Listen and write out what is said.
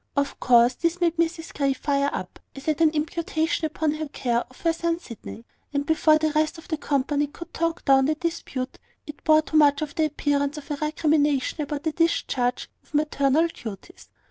Of course, this made Mrs Grey fire up, as at an imputation upon her care of her son Sydney; and before the rest of the company could talk down the dispute, it bore too much of the appearance of a recrimination about the discharge of maternal duties.